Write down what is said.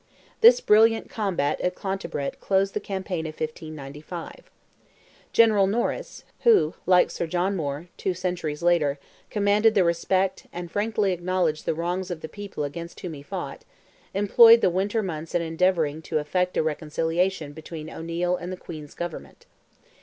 This brilliant combat at Clontibret closed the campaign of 1595. General Norris, who, like Sir John Moore, two centuries later, commanded the respect, and frankly acknowledged the wrongs of the people against whom he fought, employed the winter months in endeavouring to effect a reconciliation between O'Neil and the Queen's Government.